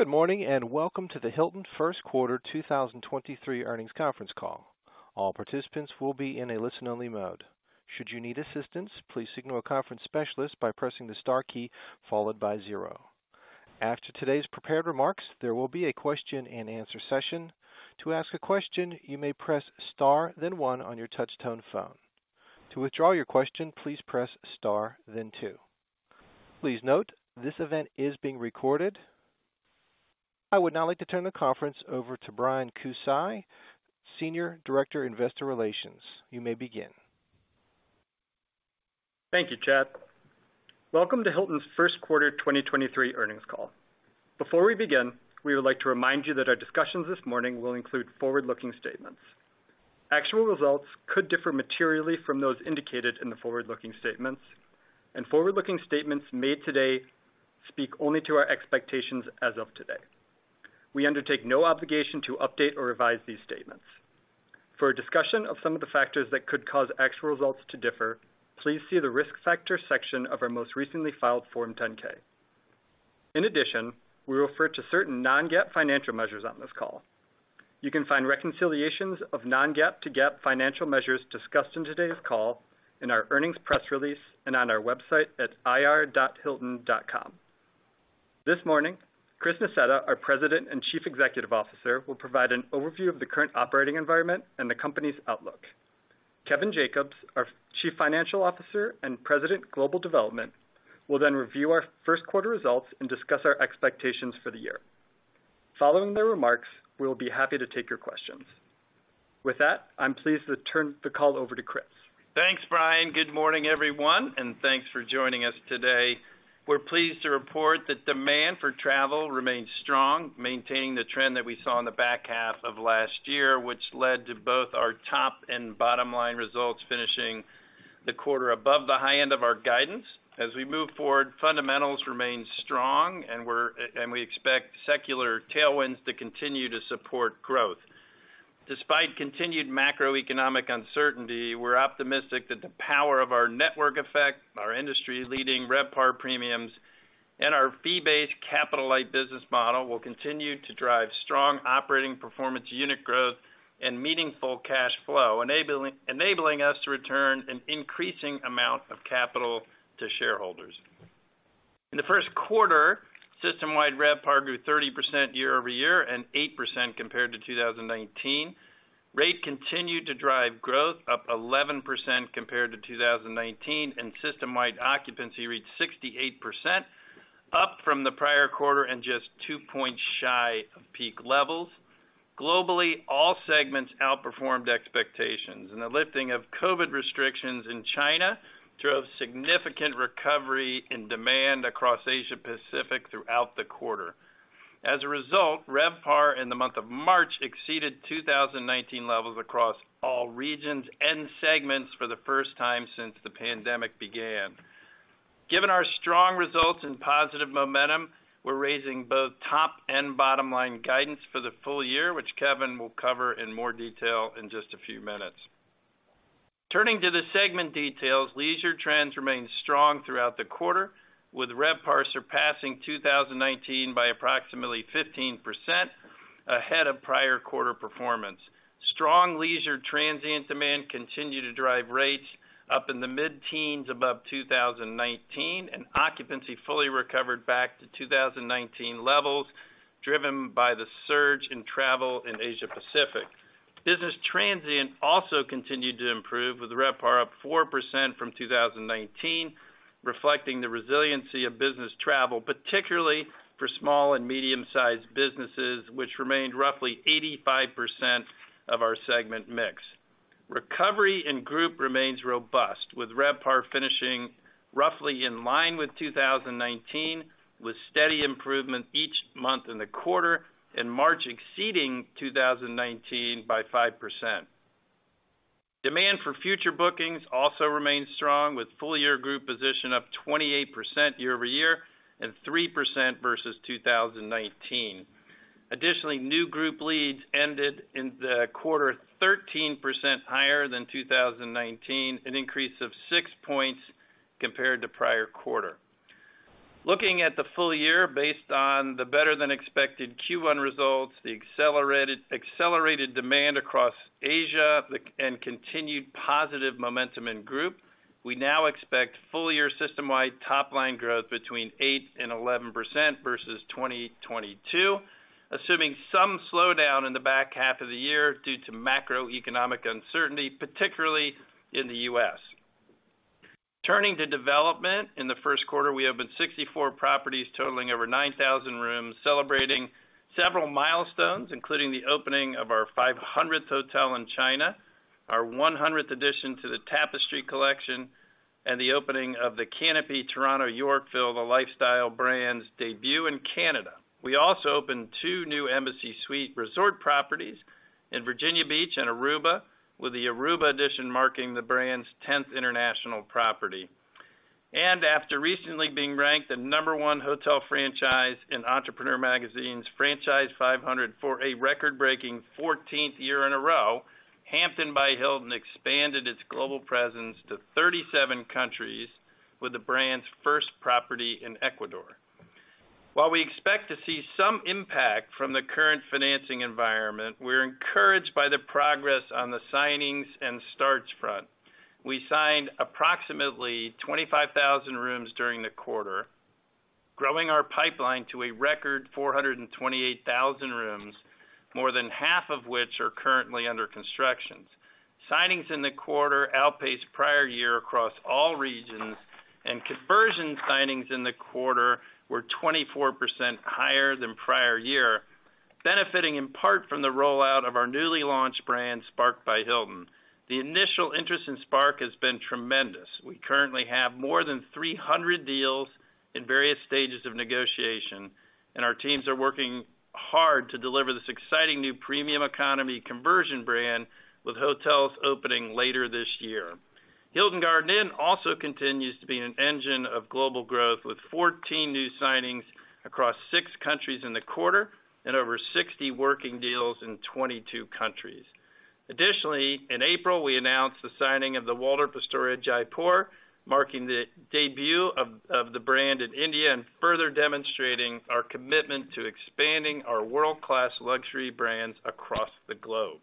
Good morning, and welcome to the Hilton first quarter 2023 earnings conference call. All participants will be in a listen-only mode. Should you need assistance, please signal a conference specialist by pressing the star key followed by zero. After today's prepared remarks, there will be a question-and-answer session. To ask a question, you may press star then one on your touchtone phone. To withdraw your question, please press star then two. Please note, this event is being recorded. I would now like to turn the conference over to Brian Kucaj, Senior Director, Investor Relations. You may begin. Thank you, Chad. Welcome to Hilton's first quarter 2023 earnings call. Before we begin, we would like to remind you that our discussions this morning will include forward-looking statements. Actual results could differ materially from those indicated in the forward-looking statements, and forward-looking statements made today speak only to our expectations as of today. We undertake no obligation to update or revise these statements. For a discussion of some of the factors that could cause actual results to differ, please see the Risk Factors section of our most recently filed Form 10-K. In addition, we refer to certain non-GAAP financial measures on this call. You can find reconciliations of non-GAAP to GAAP financial measures discussed in today's call in our earnings press release and on our website at ir.hilton.com. This morning, Chris Nassetta, our President and Chief Executive Officer, will provide an overview of the current operating environment and the company's outlook. Kevin Jacobs, our Chief Financial Officer and President, Global Development, will then review our first quarter results and discuss our expectations for the year. Following their remarks, we will be happy to take your questions. With that, I'm pleased to turn the call over to Chris. Thanks, Brian. Good morning, everyone, thanks for joining us today. We're pleased to report that demand for travel remains strong, maintaining the trend that we saw in the back half of last year, which led to both our top and bottom line results finishing the quarter above the high end of our guidance. As we move forward, fundamentals remain strong, and we expect secular tailwinds to continue to support growth. Despite continued macroeconomic uncertainty, we're optimistic that the power of our network effect, our industry-leading RevPAR premiums, and our fee-based capital-light business model will continue to drive strong operating performance, unit growth, and meaningful cash flow, enabling us to return an increasing amount of capital to shareholders. In the first quarter, system-wide RevPAR grew 30% year-over-year and 8% compared to 2019. Rate continued to drive growth up 11% compared to 2019, and system-wide occupancy reached 68%, up from the prior quarter and just two points shy of peak levels. Globally, all segments outperformed expectations, and the lifting of COVID restrictions in China drove significant recovery in demand across Asia Pacific throughout the quarter. As a result, RevPAR in the month of March exceeded 2019 levels across all regions and segments for the first time since the pandemic began. Given our strong results and positive momentum, we're raising both top and bottom line guidance for the full year, which Kevin will cover in more detail in just a few minutes. Turning to the segment details, leisure trends remained strong throughout the quarter, with RevPAR surpassing 2019 by approximately 15% ahead of prior quarter performance. Strong leisure transient demand continued to drive rates up in the mid-teens above 2019, and occupancy fully recovered back to 2019 levels, driven by the surge in travel in Asia Pacific. Business transient also continued to improve, with RevPAR up 4% from 2019, reflecting the resiliency of business travel, particularly for small and medium-sized businesses, which remained roughly 85% of our segment mix. Recovery in group remains robust, with RevPAR finishing roughly in line with 2019, with steady improvement each month in the quarter and March exceeding 2019 by 5%. Demand for future bookings also remains strong, with full-year group position up 28% year-over-year and 3% versus 2019. Additionally, new group leads ended in the quarter 13% higher than 2019, an increase of six points compared to prior quarter. Looking at the full year, based on the better than expected Q1 results, the accelerated demand across Asia, and continued positive momentum in group, we now expect full-year system-wide top line growth between 8% and 11% versus 2022, assuming some slowdown in the back half of the year due to macroeconomic uncertainty, particularly in the U.S. Turning to development. In the first quarter, we opened 64 properties totaling over 9,000 rooms, celebrating several milestones, including the opening of our 500th hotel in China, our 100th addition to the Tapestry Collection, and the opening of the Canopy Toronto Yorkville, the lifestyle brand's debut in Canada. We also opened two new Embassy Suites resort properties in Virginia Beach and Aruba, with the Aruba addition marking the brand's 10th international property. After recently being ranked the number one hotel franchise in Entrepreneur Magazine's Franchise 500 for a record-breaking 14th year in a row, Hampton by Hilton expanded its global presence to 37 countries with the brand's first property in Ecuador. While we expect to see some impact from the current financing environment, we're encouraged by the progress on the signings and starts front. We signed approximately 25,000 rooms during the quarter, growing our pipeline to a record 428,000 rooms, more than half of which are currently under constructions. Signings in the quarter outpaced prior year across all regions, and conversion signings in the quarter were 24% higher than prior year, benefiting in part from the rollout of our newly launched brand, Spark by Hilton. The initial interest in Spark has been tremendous. We currently have more than 300 deals in various stages of negotiation, and our teams are working hard to deliver this exciting new premium economy conversion brand with hotels opening later this year. Hilton Garden Inn also continues to be an engine of global growth, with 14 new signings across six countries in the quarter and over 60 working deals in 22 countries. Additionally, in April, we announced the signing of the Waldorf Astoria Jaipur, marking the debut of the brand in India and further demonstrating our commitment to expanding our world-class luxury brands across the globe.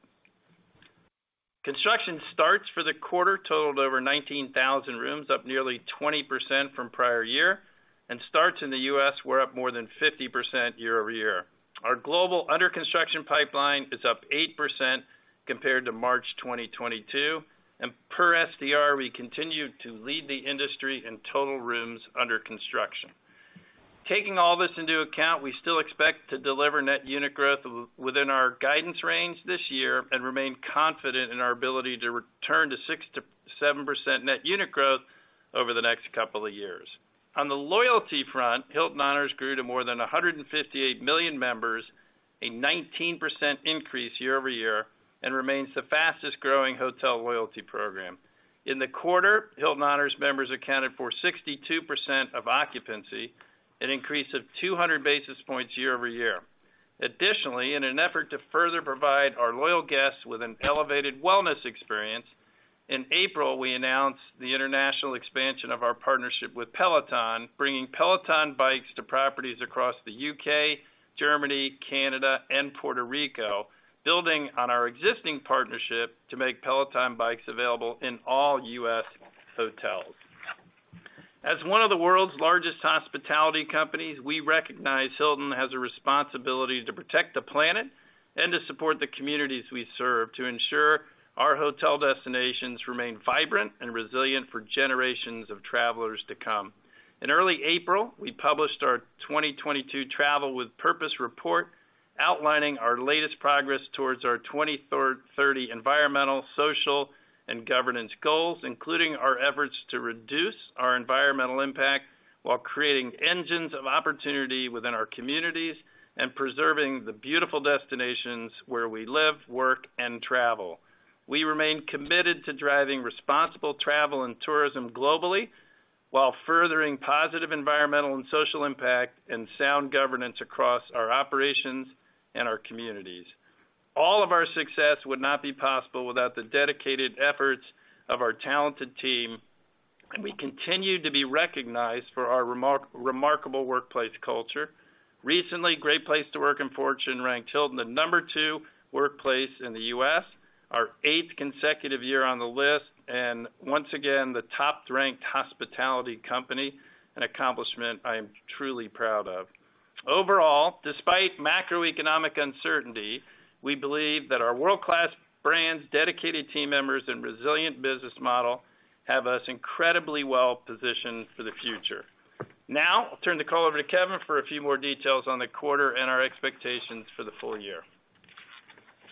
Construction starts for the quarter totaled over 19,000 rooms, up nearly 20% from prior year, and starts in the U.S. were up more than 50% year-over-year. Our global under construction pipeline is up 8% compared to March 2022. Per STR, we continue to lead the industry in total rooms under construction. Taking all this into account, we still expect to deliver net unit growth within our guidance range this year and remain confident in our ability to return to 6%-7% net unit growth over the next couple of years. On the loyalty front, Hilton Honors grew to more than 158 million members, a 19% increase year-over-year, and remains the fastest growing hotel loyalty program. In the quarter, Hilton Honors members accounted for 62% of occupancy, an increase of 200 basis points year-over-year. Additionally, in an effort to further provide our loyal guests with an elevated wellness experience, in April, we announced the international expansion of our partnership with Peloton, bringing Peloton bikes to properties across the U.K., Germany, Canada and Puerto Rico, building on our existing partnership to make Peloton bikes available in all U.S. hotels. As one of the world's largest hospitality companies, we recognize Hilton has a responsibility to protect the planet and to support the communities we serve to ensure our hotel destinations remain vibrant and resilient for generations of travelers to come. In early April, we published our 2022 Travel with Purpose report, outlining our latest progress towards our 2030 environmental, social, and governance goals, including our efforts to reduce our environmental impact while creating engines of opportunity within our communities and preserving the beautiful destinations where we live, work and travel. We remain committed to driving responsible travel and tourism globally, while furthering positive environmental and social impact and sound governance across our operations and our communities. All of our success would not be possible without the dedicated efforts of our talented team, and we continue to be recognized for our remarkable workplace culture. Recently, Great Place to Work and Fortune ranked Hilton the number two workplace in the U.S., our eighth consecutive year on the list, and once again, the top-ranked hospitality company, an accomplishment I am truly proud of. Overall, despite macroeconomic uncertainty, we believe that our world-class brands, dedicated team members and resilient business model have us incredibly well positioned for the future. Now I'll turn the call over to Kevin for a few more details on the quarter and our expectations for the full year.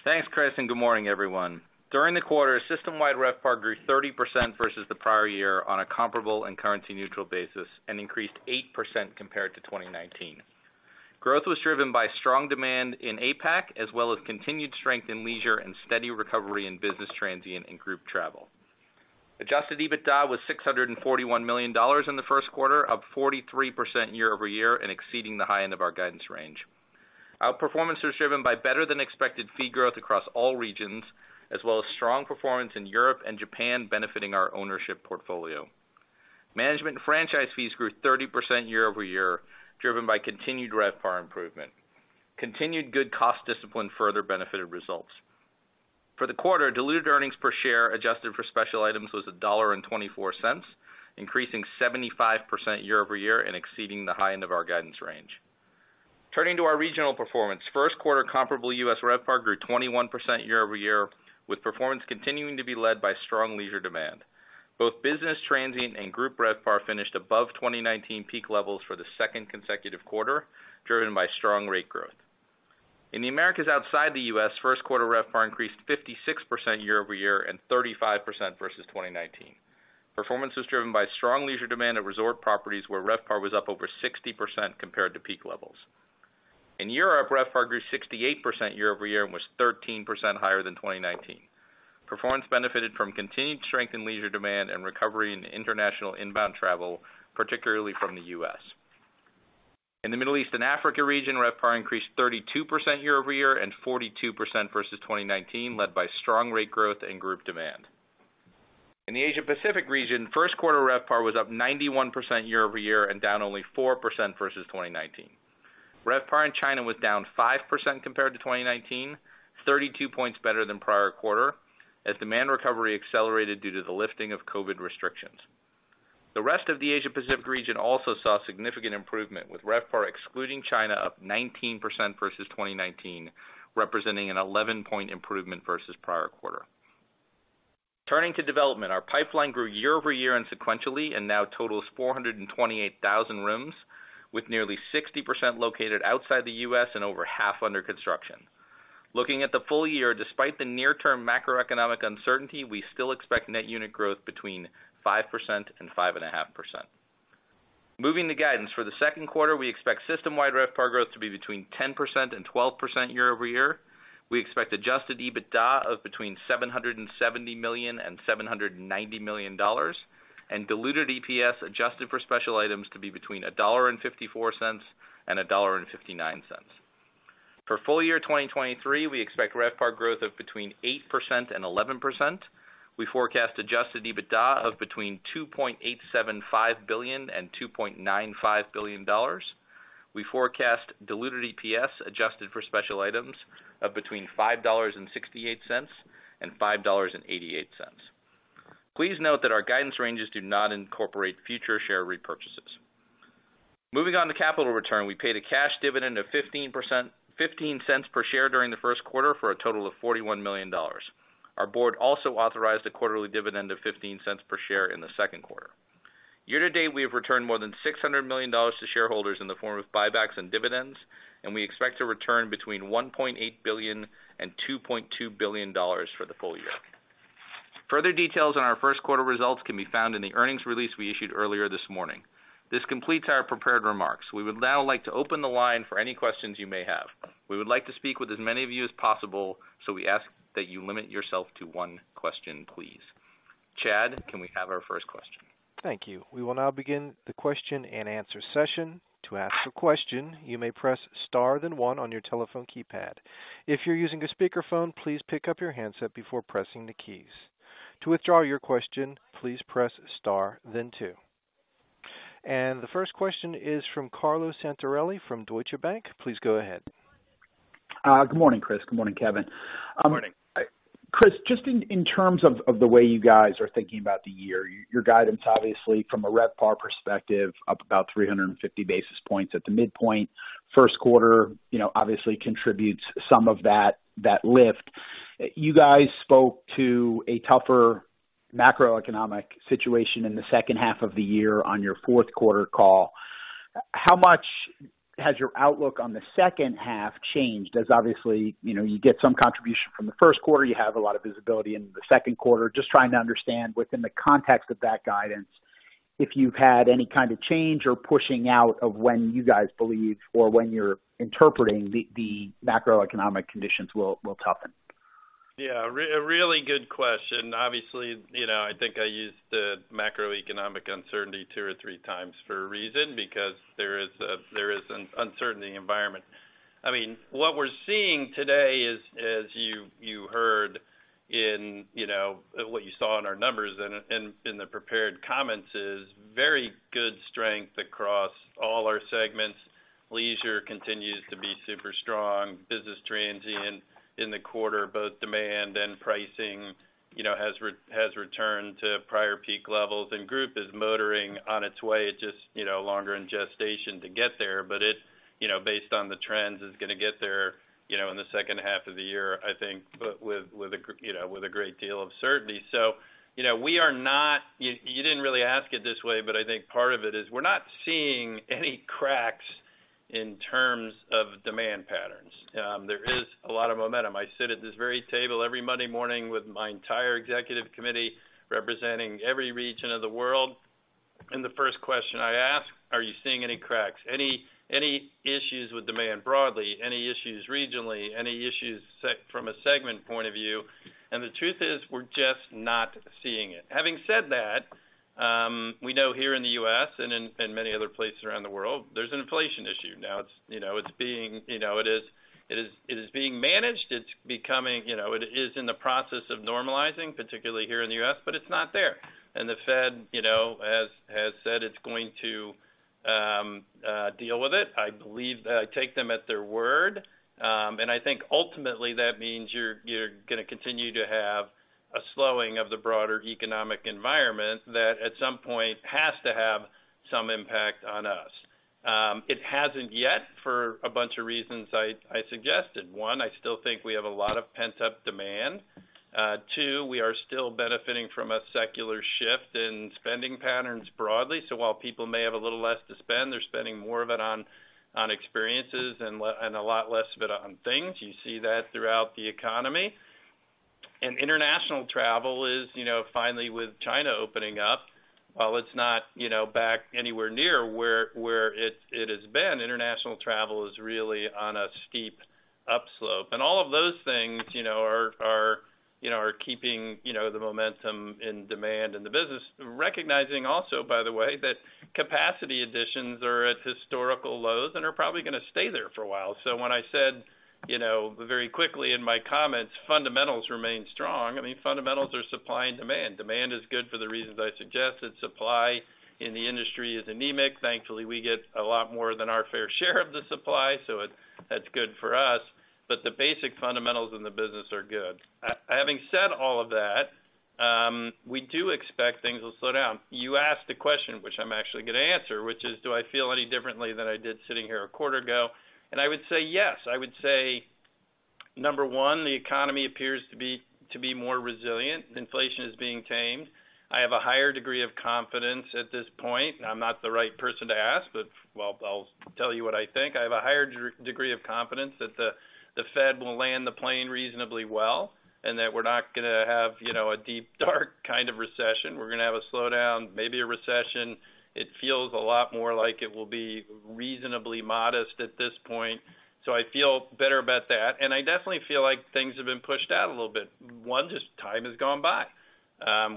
Thanks, Chris. Good morning, everyone. During the quarter, system-wide RevPAR grew 30% versus the prior year on a comparable and currency neutral basis, and increased 8% compared to 2019. Growth was driven by strong demand in APAC, as well as continued strength in leisure and steady recovery in business transient and group travel. Adjusted EBITDA was $641 million in the first quarter, up 43% year-over-year, and exceeding the high end of our guidance range. Our performance was driven by better than expected fee growth across all regions, as well as strong performance in Europe and Japan benefiting our ownership portfolio. Management and franchise fees grew 30% year-over-year, driven by continued RevPAR improvement. Continued good cost discipline further benefited results. For the quarter, diluted earnings per share, adjusted for special items was $1.24, increasing 75% year-over-year and exceeding the high end of our guidance range. Turning to our regional performance. First quarter comparable U.S. RevPAR grew 21% year-over-year, with performance continuing to be led by strong leisure demand. Both business transient and group RevPAR finished above 2019 peak levels for the second consecutive quarter, driven by strong rate growth. In the Americas outside the U.S., first quarter RevPAR increased 56% year-over-year and 35% versus 2019. Performance was driven by strong leisure demand at resort properties, where RevPAR was up over 60% compared to peak levels. In Europe, RevPAR grew 68% year-over-year and was 13% higher than 2019. Performance benefited from continued strength in leisure demand and recovery in international inbound travel, particularly from the U.S. In the Middle East and Africa region, RevPAR increased 32% year-over-year and 42% versus 2019, led by strong rate growth and group demand. In the Asia Pacific region, first quarter RevPAR was up 91% year-over-year and down only 4% versus 2019. RevPAR in China was down 5% compared to 2019, 32 points better than prior quarter as demand recovery accelerated due to the lifting of COVID restrictions. The rest of the Asia Pacific region also saw significant improvement, with RevPAR excluding China up 19% versus 2019, representing an 11 point improvement versus prior quarter. Turning to development, our pipeline grew year-over-year and sequentially, and now totals 428,000 rooms, with nearly 60% located outside the U.S. and over half under construction. Looking at the full year, despite the near-term macroeconomic uncertainty, we still expect net unit growth between 5% and 5.5%. Moving to guidance. For the second quarter, we expect system-wide RevPAR growth to be between 10% and 12% year-over-year. We expect adjusted EBITDA of between $770 million and $790 million. Diluted EPS adjusted for special items to be between $1.54 and $1.59. For full year 2023, we expect RevPAR growth of between 8% and 11%. We forecast adjusted EBITDA of between $2.875 billion and $2.95 billion. We forecast diluted EPS adjusted for special items of between $5.68 and $5.88. Please note that our guidance ranges do not incorporate future share repurchases. Moving on to capital return. We paid a cash dividend of $0.15 per share during the first quarter for a total of $41 million. Our board also authorized a quarterly dividend of $0.15 per share in the second quarter. Year-to-date, we have returned more than $600 million to shareholders in the form of buybacks and dividends. We expect to return between $1.8 billion and $2.2 billion for the full year. Further details on our first quarter results can be found in the earnings release we issued earlier this morning. This completes our prepared remarks. We would now like to open the line for any questions you may have. We would like to speak with as many of you as possible, so we ask that you limit yourself to one question, please. Chad, can we have our first question? Thank you. We will now begin the question and answer session. To ask a question, you may press star, then one on your telephone keypad. If you're using a speakerphone, please pick up your handset before pressing the keys. To withdraw your question, please press star then two. The first question is from Carlo Santarelli from Deutsche Bank. Please go ahead. Good morning, Chris. Good morning, Kevin. Good morning. Chris, just in terms of the way you guys are thinking about the year, your guidance, obviously from a RevPAR perspective, up about 350 basis points at the midpoint. First quarter, you know, obviously contributes some of that lift. You guys spoke to a tougher macroeconomic situation in the second half of the year on your fourth quarter call. How much has your outlook on the second half changed, as obviously, you know, you get some contribution from the first quarter, you have a lot of visibility in the second quarter? Just trying to understand within the context of that guidance, if you've had any kind of change or pushing out of when you guys believe or when you're interpreting the macroeconomic conditions will toughen. Yeah, a really good question. Obviously, you know, I think I used the macroeconomic uncertainty two or three times for a reason, because there is an uncertainty environment. I mean, what we're seeing today is, as you heard in, you know, what you saw in our numbers and in the prepared comments is very good strength across all our segments. Leisure continues to be super strong. Business transient in the quarter, both demand and pricing, you know, has returned to prior peak levels. Group is motoring on its way. It's just, you know, longer in gestation to get there. It's, you know, based on the trends, is gonna get there, you know, in the second half of the year, I think, but with a great deal of certainty. You know, we are not... You didn't really ask it this way, but I think part of it is we're not seeing any cracks in terms of demand patterns. There is a lot of momentum. I sit at this very table every Monday morning with my entire executive committee representing every region of the world, and the first question I ask, "Are you seeing any cracks? Any issues with demand broadly? Any issues regionally? Any issues from a segment point of view?" The truth is, we're just not seeing it. Having said that, we know here in the U.S. and in many other places around the world, there's an inflation issue. It's, you know, it's being... You know, it is being managed. It's becoming, you know. It is in the process of normalizing, particularly here in the U.S., but it's not there. The Fed, you know, has said it's going to deal with it. I take them at their word. I think ultimately that means you're gonna continue to have a slowing of the broader economic environment that at some point has to have some impact on us. It hasn't yet for a bunch of reasons I suggested. One, I still think we have a lot of pent-up demand. Two, we are still benefiting from a secular shift in spending patterns broadly. While people may have a little less to spend, they're spending more of it on experiences and a lot less of it on things. You see that throughout the economy. International travel is, you know, finally with China opening up, while it's not, you know, back anywhere near where it has been, international travel is really on a steep upslope. All of those things, you know, are keeping, you know, the momentum and demand in the business. Recognizing also, by the way, that capacity additions are at historical lows and are probably going to stay there for a while. When I said, you know, very quickly in my comments, fundamentals remain strong, I mean, fundamentals are supply and demand. Demand is good for the reasons I suggested. Supply in the industry is anemic. Thankfully, we get a lot more than our fair share of the supply, so that's good for us. The basic fundamentals in the business are good. Having said all of that, we do expect things will slow down. You asked a question, which I'm actually gonna answer, which is, do I feel any differently than I did sitting here a quarter ago? I would say yes. I would say, number one, the economy appears to be more resilient. Inflation is being tamed. I have a higher degree of confidence at this point. I'm not the right person to ask, but, well, I'll tell you what I think. I have a higher degree of confidence that the Fed will land the plane reasonably well, that we're not gonna have, you know, a deep, dark kind of recession. We're gonna have a slowdown, maybe a recession. It feels a lot more like it will be reasonably modest at this point. I feel better about that. I definitely feel like things have been pushed out a little bit. One, just time has gone by.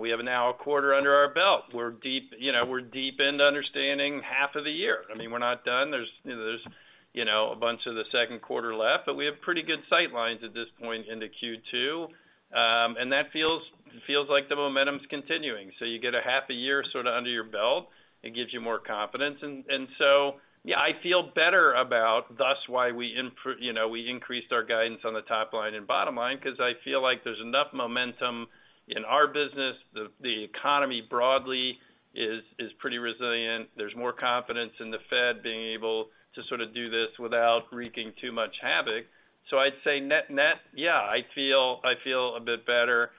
We have now a quarter under our belt. We're deep into understanding half of the year. We're not done. There's a bunch of the second quarter left, but we have pretty good sight lines at this point into Q2. It feels like the momentum's continuing. You get a half a year sort of under your belt, it gives you more confidence. Yeah, I feel better about thus why we increased our guidance on the top line and bottom line because I feel like there's enough momentum in our business. The economy broadly is pretty resilient. There's more confidence in the Fed being able to sort of do this without wreaking too much havoc. I'd say net, yeah, I feel a bit better.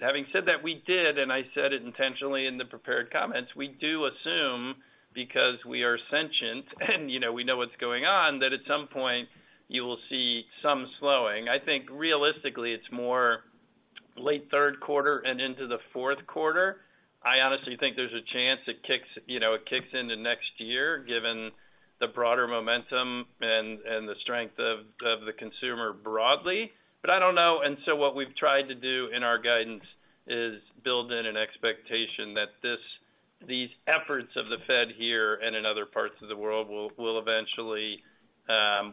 Having said that, we did, and I said it intentionally in the prepared comments, we do assume, because we are sentient and, you know, we know what's going on, that at some point you will see some slowing. I think realistically, it's more late third quarter and into the fourth quarter. I honestly think there's a chance it kicks, you know, it kicks into next year given the broader momentum and the strength of the consumer broadly. I don't know. What we've tried to do in our guidance is build in an expectation that these efforts of the Fed here and in other parts of the world will eventually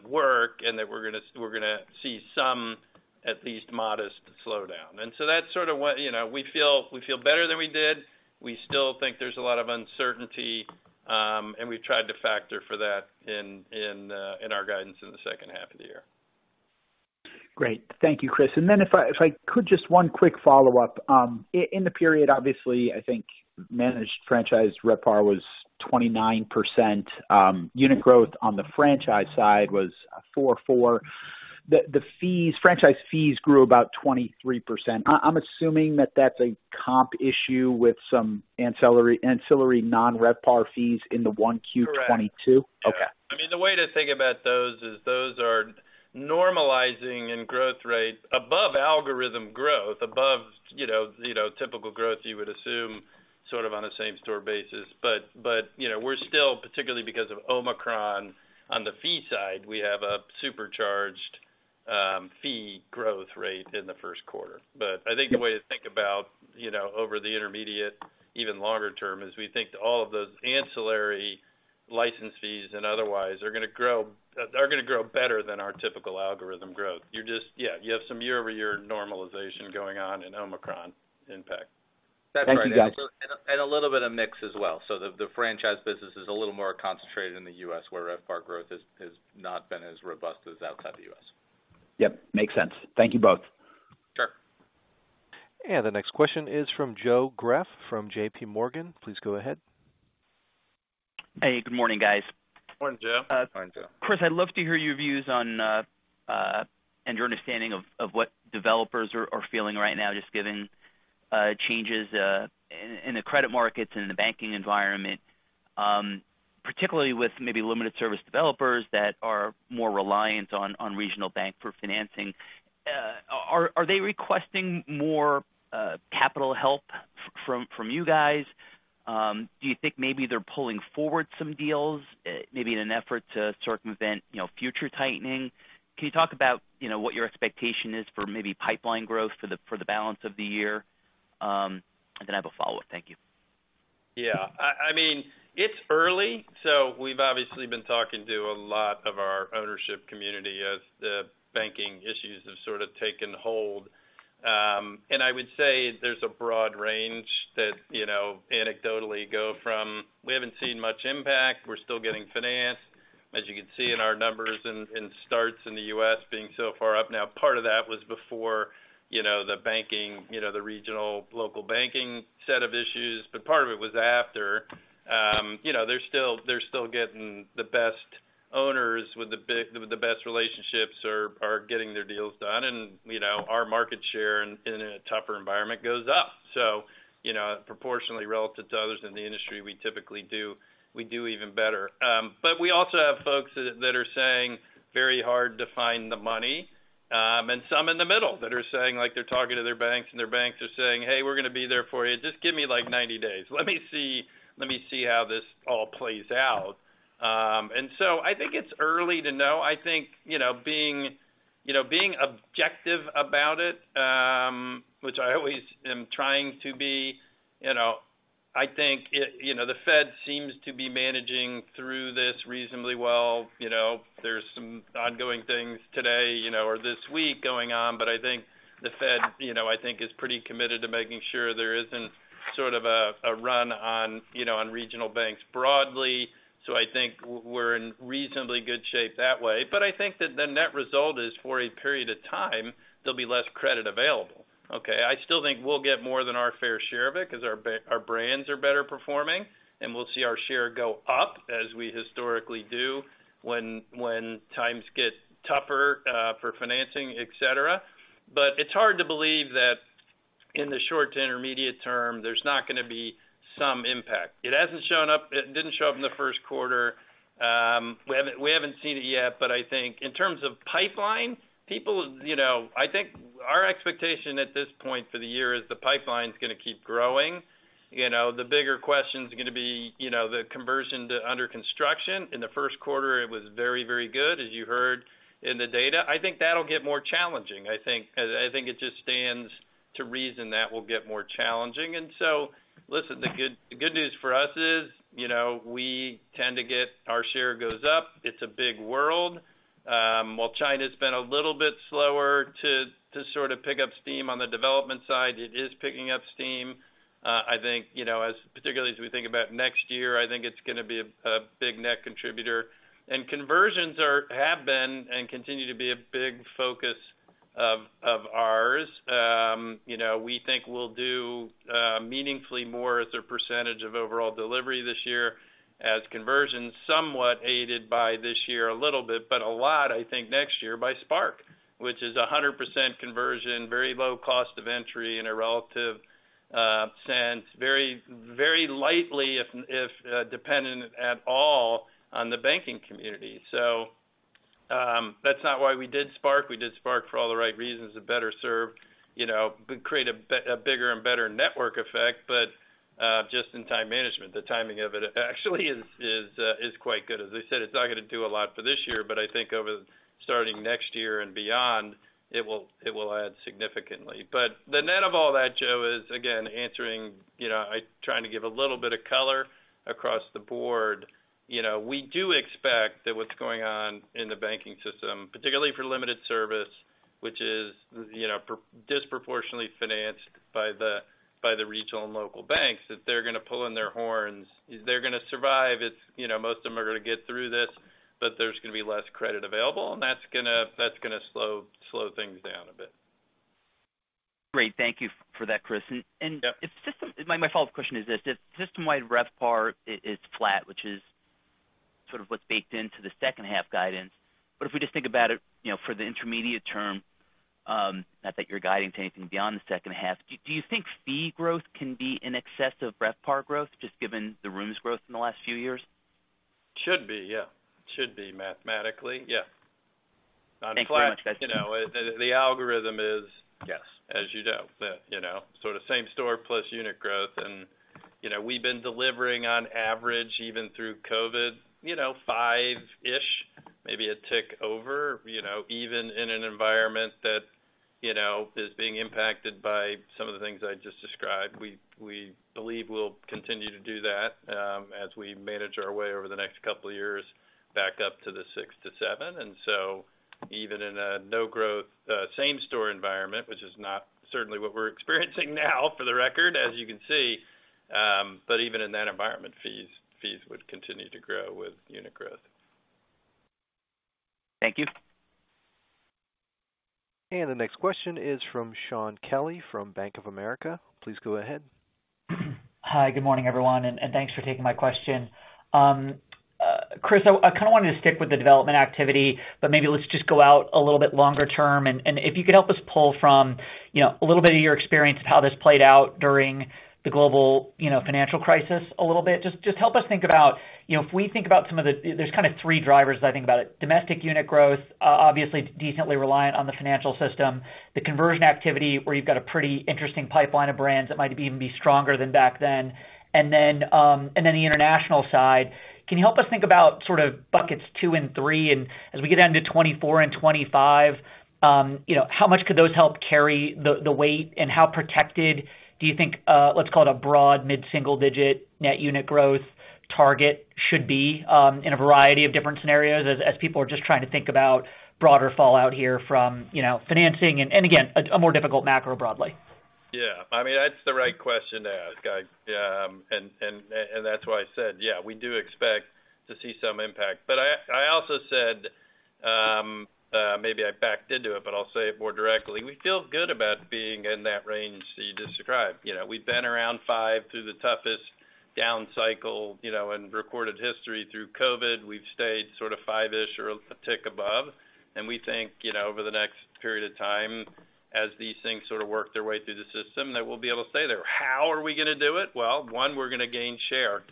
work, and that we're gonna see some at least modest slowdown. That's sort of what. You know, we feel better than we did. We still think there's a lot of uncertainty, and we've tried to factor for that in our guidance in the second half of the year. Great. Thank you, Chris. If I could, just one quick follow-up. In the period, obviously, I think managed franchise RevPAR was 29%. Unit growth on the franchise side was four. The fees, franchise fees grew about 23%. I'm assuming that that's a comp issue with some ancillary non-RevPAR fees in the 1Q 2022. Correct. Okay. Yeah. I mean, the way to think about those is those are normalizing in growth rates above algorithm growth. Above, you know, you know, typical growth you would assume sort of on a same store basis. You know, we're still, particularly because of Omicron on the fee side, we have a supercharged, fee growth rate in the first quarter. I think the way to think about, you know, over the intermediate, even longer term, is we think all of those ancillary license fees and otherwise are gonna grow, they're gonna grow better than our typical algorithm growth. Yeah, you have some year-over-year normalization going on in Omicron impact. Thank you, guys. That's right. A little bit of mix as well. The franchise business is a little more concentrated in the U.S., where RevPAR growth has not been as robust as outside the U.S. Yep, makes sense. Thank you both. Sure. The next question is from Joe Greff from JPMorgan. Please go ahead. Hey, good morning, guys. Morning, Joe. Morning, Joe. Chris, I'd love to hear your views on and your understanding of what developers are feeling right now, just given changes in the credit markets and in the banking environment, particularly with maybe limited service developers that are more reliant on regional bank for financing. Are they requesting more capital help from you guys? Do you think maybe they're pulling forward some deals, maybe in an effort to circumvent, you know, future tightening? Can you talk about, you know, what your expectation is for maybe pipeline growth for the balance of the year? Then I have a follow-up. Thank you. Yeah. I mean, it's early, so we've obviously been talking to a lot of our ownership community as the banking issues have sort of taken hold. I would say there's a broad range that, you know, anecdotally go from we haven't seen much impact, we're still getting financed, as you can see in our numbers in starts in the U.S. being so far up. Part of that was before, you know, the banking, you know, the regional, local banking set of issues, but part of it was after. You know, they're still getting the best owners with the best relationships are getting their deals done and, you know, our market share in a tougher environment goes up. Proportionately relative to others in the industry, we typically do, we do even better. We also have folks that are saying very hard to find the money, and some in the middle that are saying, like they're talking to their banks and their banks are saying, "Hey, we're gonna be there for you. Just give me like 90 days. Let me see, let me see how this all plays out." I think it's early to know. I think, you know, being, you know, being objective about it, which I always am trying to be, you know, I think, you know, the Fed seems to be managing through this reasonably well. You know, there's some ongoing things today, you know, or this week going on. I think the Fed, you know, I think is pretty committed to making sure there isn't sort of a run on, you know, on regional banks broadly. I think we're in reasonably good shape that way. I think that the net result is, for a period of time, there'll be less credit available, okay? I still think we'll get more than our fair share of it 'cause our brands are better performing, and we'll see our share go up as we historically do when times get tougher for financing, et cetera. It's hard to believe that in the short to intermediate term, there's not gonna be some impact. It hasn't shown up. It didn't show up in the 1st quarter. We haven't seen it yet. I think in terms of pipeline, people, you know, I think our expectation at this point for the year is the pipeline's gonna keep growing. You know, the bigger question's gonna be, you know, the conversion to under construction. In the first quarter, it was very, very good, as you heard in the data. I think that'll get more challenging. I think it just stands to reason that will get more challenging. Listen, the good news for us is, you know, we tend to get our share goes up. It's a big world. While China's been a little bit slower to sort of pick up steam on the development side, it is picking up steam. I think, you know, as particularly as we think about next year, I think it's gonna be a big net contributor. Conversions have been and continue to be a big focus of ours. You know, we think we'll do meaningfully more as a percentage of overall delivery this year as conversions somewhat aided by this year a little bit, but a lot, I think, next year by Spark, which is a 100% conversion, very low cost of entry in a relative sense, very lightly if dependent at all on the banking community. That's not why we did Spark. We did Spark for all the right reasons to better serve, you know, create a bigger and better network effect. Just in time management, the timing of it actually is quite good. As I said, it's not gonna do a lot for this year, but I think over starting next year and beyond, it will add significantly. The net of all that, Joe, is again answering, you know, trying to give a little bit of color across the board. You know, we do expect that what's going on in the banking system, particularly for limited service, which is, you know, disproportionately financed by the, by the regional and local banks, that they're gonna pull in their horns. They're gonna survive. It's, you know, most of them are gonna get through this, but there's gonna be less credit available, and that's gonna slow things down a bit. Great. Thank you for that, Chris. Yeah. My follow-up question is this: If system-wide RevPAR is flat, which is sort of what's baked into the second half guidance, if we just think about it, you know, for the intermediate term, not that you're guiding to anything beyond the second half, do you think fee growth can be in excess of RevPAR growth, just given the rooms growth in the last few years? Should be, yeah. Should be mathematically, yes. Thank you much. On flat, you know, the algorithm. Yes ...as you know, the, you know, sort of same store plus unit growth. You know, we've been delivering on average even through COVID, you know, five-ish, maybe a tick over, you know, even in an environment that, you know, is being impacted by some of the things I just described. We believe we'll continue to do that as we manage our way over the next couple of years back up to the 6%-7%. Even in a no growth same store environment, which is not certainly what we're experiencing now, for the record, as you can see, but even in that environment, fees would continue to grow with unit growth. Thank you. The next question is from Shaun Kelley from Bank of America. Please go ahead. Hi, good morning, everyone, and thanks for taking my question. Chris, I kind of wanted to stick with the development activity, but maybe let's just go out a little bit longer term. If you could help us pull from, you know, a little bit of your experience of how this played out during the global, you know, financial crisis a little bit. Just help us think about, you know, if we think about there's kind of three drivers, as I think about it. Domestic unit growth, obviously decently reliant on the financial system. The conversion activity, where you've got a pretty interesting pipeline of brands that might even be stronger than back then. Then the international side. Can you help us think about sort of buckets two and three? As we get into 2024 and 2025, you know, how much could those help carry the weight? How protected do you think, let's call it a broad mid-single digit net unit growth target should be, in a variety of different scenarios as people are just trying to think about broader fallout here from, you know, financing and again, a more difficult macro broadly? Yeah. I mean, that's the right question to ask. I. That's why I said, yeah, we do expect to see some impact. I also said, maybe I backed into it, but I'll say it more directly. We feel good about being in that range that you just described. You know, we've been around five through the toughest down cycle, you know, in recorded history through COVID. We've stayed sort of five-ish or a tick above. We think, you know, over the next period of time, as these things sort of work their way through the system, that we'll be able to stay there. How are we gonna do it? Well, one, we're gonna gain share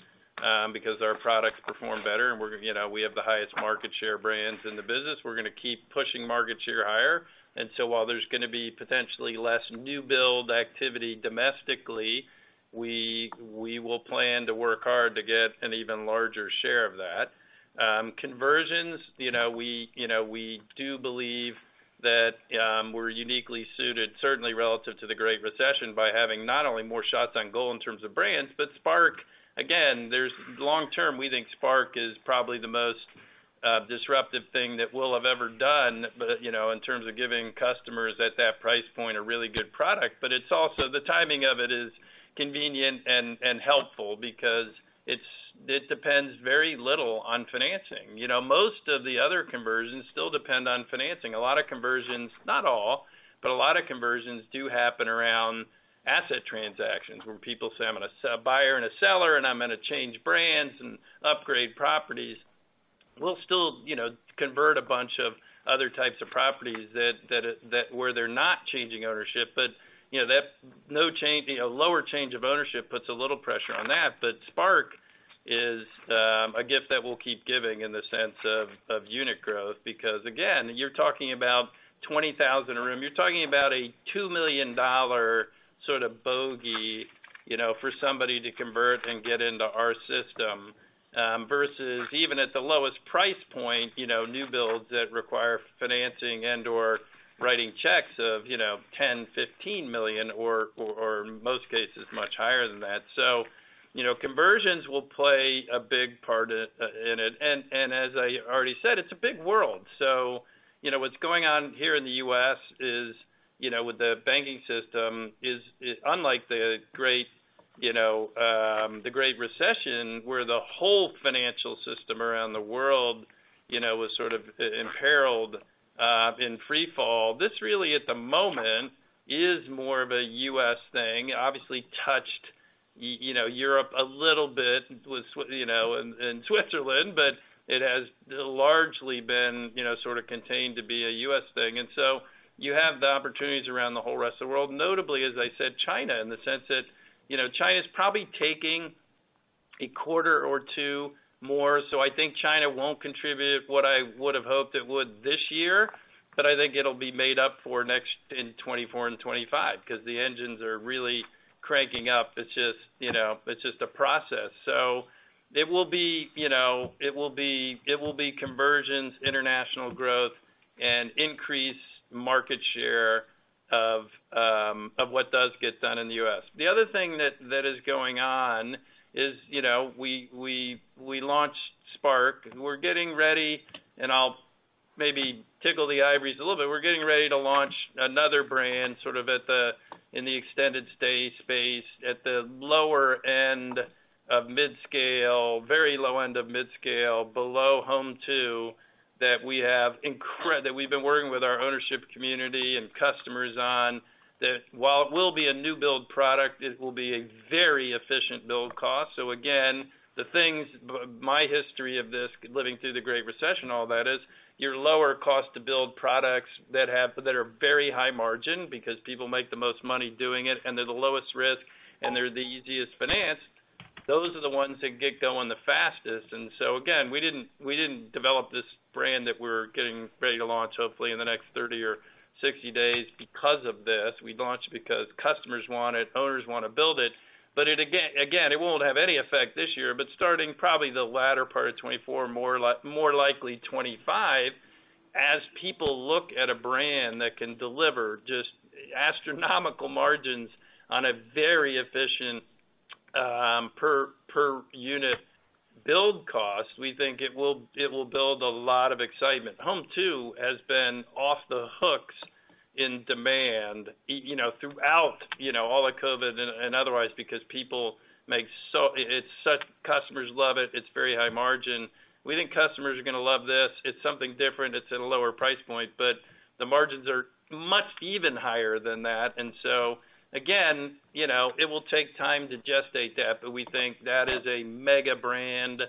because our products perform better and, you know, we have the highest market share brands in the business. We're gonna keep pushing market share higher. While there's gonna be potentially less new build activity domestically, we will plan to work hard to get an even larger share of that. Conversions, you know, we do believe that we're uniquely suited, certainly relative to the Great Recession, by having not only more shots on goal in terms of brands, but Spark. Again, there's long-term, we think Spark is probably the most disruptive thing that we'll have ever done. You know, in terms of giving customers at that price point a really good product. It's also the timing of it is convenient and helpful because it depends very little on financing. You know, most of the other conversions still depend on financing. A lot of conversions, not all, but a lot of conversions do happen around asset transactions where people say, "I'm gonna sell buyer and a seller, and I'm gonna change brands and upgrade properties." We'll still, you know, convert a bunch of other types of properties that where they're not changing ownership. You know, that no change, you know, lower change of ownership puts a little pressure on that. Spark is a gift that will keep giving in the sense of unit growth. Because, again, you're talking about $20,000 a room. You're talking about a $2 million sort of bogey, you know, for somebody to convert and get into our system, versus even at the lowest price point, you know, new builds that require financing and/or writing checks of, you know, $10 million-$15 million or most cases much higher than that. You know, conversions will play a big part in it. As I already said, it's a big world. You know, what's going on here in the U.S. is with the banking system is unlike the Great Recession, where the whole financial system around the world, you know, was sort of imperiled in free fall. This really at the moment is more of a U.S. thing, obviously touched, you know, Europe a little bit with you know, in Switzerland, but it has largely been, you know, sort of contained to be a U.S. thing. You have the opportunities around the whole rest of the world. Notably, as I said, China, in the sense that, you know, China is probably taking a quarter or two more, so I think China won't contribute what I would have hoped it would this year. I think it'll be made up for next in 2024 and 2025 because the engines are really cranking up. It's just, you know, it's just a process. It will be, you know, it will be conversions, international growth and increased market share of what does get done in the U.S. The other thing that is going on is, you know, we launched Spark. We're getting ready, and I'll maybe tickle the ivories a little bit. We're getting ready to launch another brand, sort of in the extended stay space at the lower end of midscale, very low end of midscale, below Home2, that we've been working with our ownership community and customers on. That while it will be a new build product, it will be a very efficient build cost. Again, but my history of this, living through the Great Recession, all that is, your lower cost to build products that are very high margin because people make the most money doing it, and they're the lowest risk, and they're the easiest financed. Those are the ones that get going the fastest. Again, we didn't develop this brand that we're getting ready to launch, hopefully in the next 30 or 60 days because of this. We launched because customers want it, owners wanna build it. Again, it won't have any effect this year, but starting probably the latter part of 2024, more likely 2025, as people look at a brand that can deliver just astronomical margins on a very efficient per unit build cost, we think it will build a lot of excitement. Home2 has been off the hooks in demand, you know, throughout, you know, all the COVID and otherwise because people Customers love it. It's very high margin. We think customers are gonna love this. It's something different. It's at a lower price point, but the margins are much even higher than that. Again, you know, it will take time to gestate that. We think that is a mega brand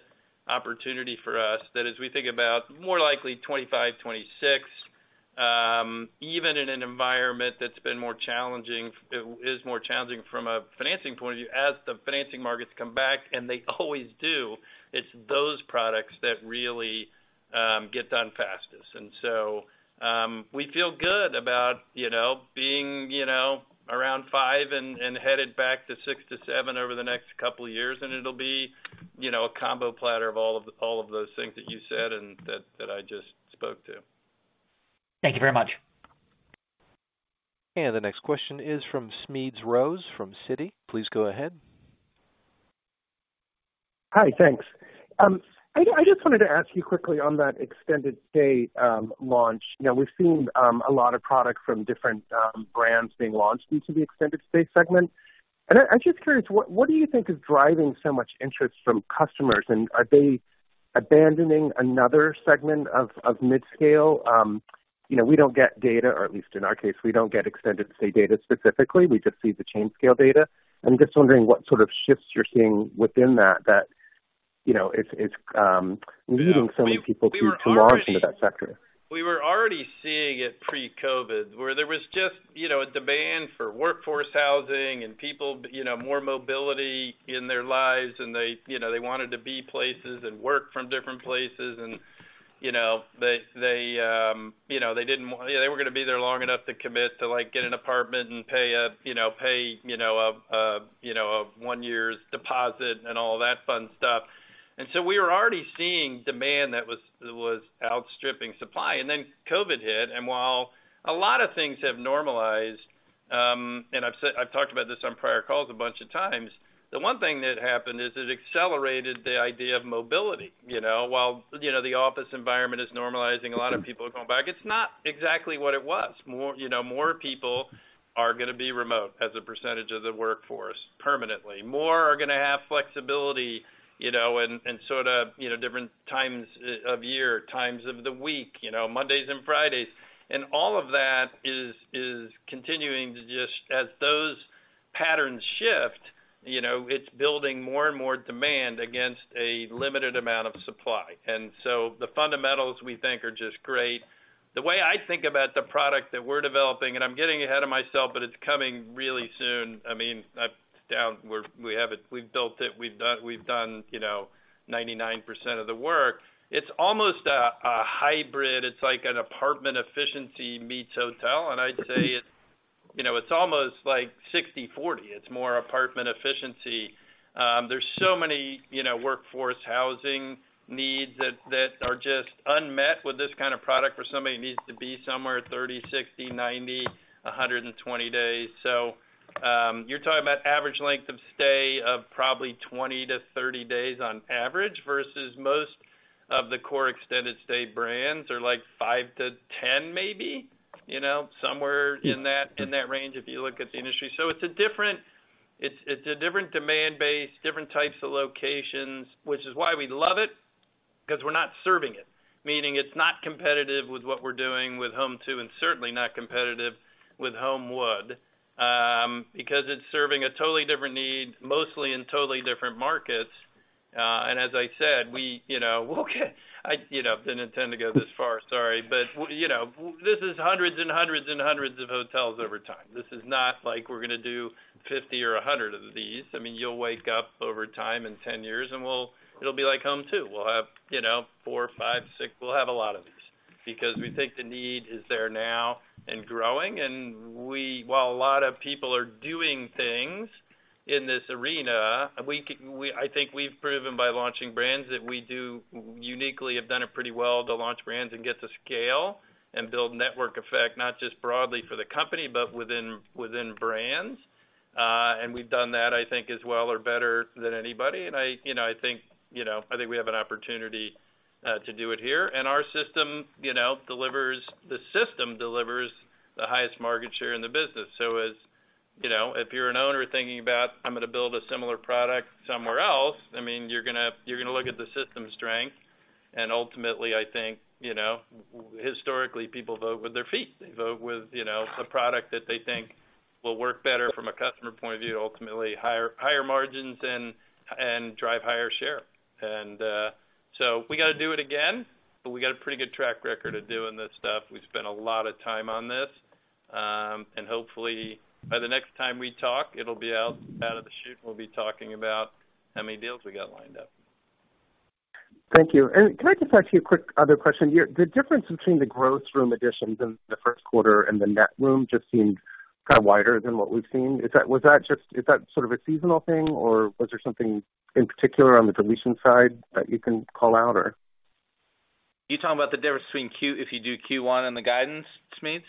opportunity for us. That as we think about more likely 2025, 2026, even in an environment that's been more challenging, it is more challenging from a financing point of view. As the financing markets come back, and they always do, it's those products that really get done fastest. We feel good about, you know, being, you know, around five and headed back to 6%-7% over the next couple of years. It'll be, you know, a combo platter of all of, all of those things that you said and that I just spoke to. Thank you very much. The next question is from Smedes Rose, from Citi. Please go ahead. Hi, thanks. I just wanted to ask you quickly on that extended stay launch. You know, we've seen a lot of products from different brands being launched into the extended stay segment. I'm just curious, what do you think is driving so much interest from customers, and are they abandoning another segment of midscale? You know, we don't get data, or at least in our case, we don't get extended stay data specifically. We just see the chain scale data. I'm just wondering what sort of shifts you're seeing within that, you know, it's leading so many people to launch into that sector. We were already seeing it pre-COVID, where there was just, you know, a demand for workforce housing and people, you know, more mobility in their lives. They, you know, they wanted to be places and work from different places. You know, they, you know, They weren't gonna be there long enough to commit to, like, get an apartment and pay a, you know, pay, you know, you know, one year's deposit and all that fun stuff. So we were already seeing demand that was outstripping supply. Then COVID hit. While a lot of things have normalized, and I've talked about this on prior calls a bunch of times, the one thing that happened is it accelerated the idea of mobility. You know, while, you know, the office environment is normalizing, a lot of people are going back, it's not exactly what it was. More, you know, more people are gonna be remote as a percentage of the workforce permanently. More are gonna have flexibility, you know, and sort of, you know, different times of year, times of the week, you know, Mondays and Fridays. All of that is continuing to just as those patterns shift, you know, it's building more and more demand against a limited amount of supply. The fundamentals, we think, are just great. The way I think about the product that we're developing, and I'm getting ahead of myself, but it's coming really soon. I mean, we have it. We've built it. We've done, you know, 99% of the work. It's almost a hybrid. It's like an apartment efficiency meets hotel. I'd say it's, you know, it's almost like 60/40. It's more apartment efficiency. There's so many, you know, workforce housing needs that are just unmet with this kind of product for somebody who needs to be somewhere 30, 60, 90, 120 days. You're talking about average length of stay of probably 20-30 days on average, versus most of the core extended stay brands are like 5-10, maybe, you know, somewhere in that, in that range if you look at the industry. It's a different demand base, different types of locations, which is why we love it, 'cause we're not serving it, meaning it's not competitive with what we're doing with Home2 and certainly not competitive with Homewood. Because it's serving a totally different need, mostly in totally different markets. As I said, we, you know, we'll get, you know, didn't intend to go this far, sorry. You know, this is hundreds of hotels over time. This is not like we're gonna do 50 or 100 of these. I mean, you'll wake up over time in 10 years and it'll be like Home2. We'll have, you know, four, five, six. We'll have a lot of these. Because we think the need is there now and growing. While a lot of people are doing things in this arena, I think we've proven by launching brands that we do uniquely have done it pretty well to launch brands and get to scale and build network effect, not just broadly for the company, but within brands. We've done that, I think, as well or better than anybody. I, you know, I think, you know, I think we have an opportunity to do it here. Our system, you know, delivers the system delivers the highest market share in the business. As, you know, if you're an owner thinking about, "I'm gonna build a similar product somewhere else," I mean, you're gonna look at the system strength. Ultimately, I think, you know, historically, people vote with their feet. They vote with, you know, a product that they think will work better from a customer point of view to ultimately higher margins and drive higher share. We gotta do it again, but we got a pretty good track record of doing this stuff. We spent a lot of time on this. Hopefully by the next time we talk, it'll be out of the chute, and we'll be talking about how many deals we got lined up. Thank you. Can I just ask you a quick other question? The difference between the gross room additions in the first quarter and the net room just seemed kind of wider than what we've seen. Is that sort of a seasonal thing, or was there something in particular on the deletion side that you can call out or? You're talking about the difference between if you do Q1 and the guidance, Smedes?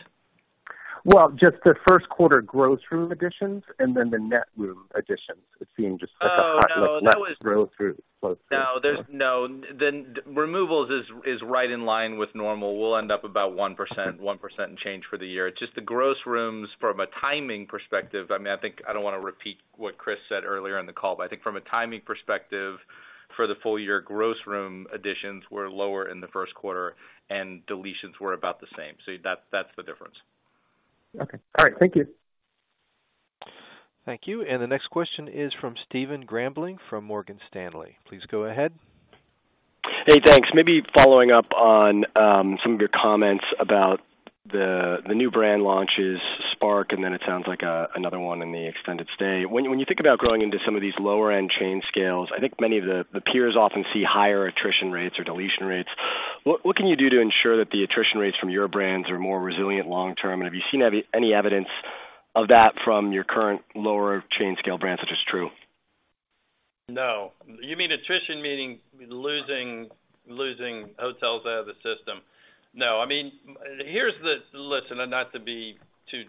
Well, just the first quarter gross room additions and then the net room additions. It seemed just like a hot-. Oh, no. net growth through, close through. No. The removals is right in line with normal. We'll end up about 1% change for the year. Just the gross rooms from a timing perspective, I mean, I think I don't wanna repeat what Chris said earlier in the call, I think from a timing perspective for the full year, gross room additions were lower in the first quarter, deletions were about the same. That's the difference. Okay. All right. Thank you. Thank you. The next question is from Stephen Grambling from Morgan Stanley. Please go ahead. Hey, thanks. Maybe following up on some of your comments about the new brand launches, Spark, and then it sounds like another one in the extended stay. When you think about growing into some of these lower end chain scales, I think many of the peers often see higher attrition rates or deletion rates. What can you do to ensure that the attrition rates from your brands are more resilient long term? Have you seen any evidence of that from your current lower chain scale brands, such as Tru? No. You mean attrition, meaning losing hotels out of the system? No. I mean, here's the listen, not to be too